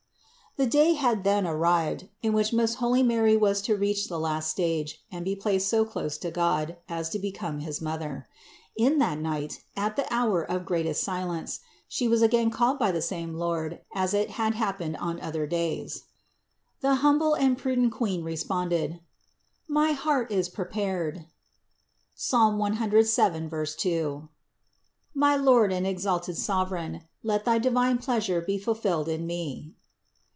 100. The day had then arrived, in which most holy Mary was to reach the last stage and be placed so close to God, as to become his Mother. In that night, at the hour of greatest silence, She was again called by the 85 86 CITY OF GOD same Lord as it had happened on the other days. The humble and prudent Queen responded: "My heart is prepared (Ps. 107, 2), my Lord and exalted Sovereign: let thy divine pleasure be fulfilled in me."